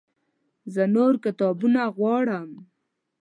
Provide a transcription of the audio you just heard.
زه نور کتابونه غواړم